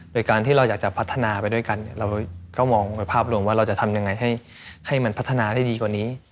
โดยการที่เราอยากจะพัฒนาไปด้วยกันเราก็มองโดยภาพรวมว่าเราจะทำยังไงให้มันพัฒนาได้ดีกว่านี้